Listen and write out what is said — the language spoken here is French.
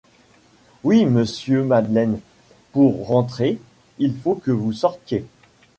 Oui, monsieur Madeleine, pour rentrer, il faut que vous sortiez.